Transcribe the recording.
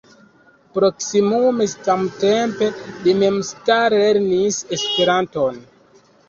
Proksimume samtempe li memstare lernis Esperanton.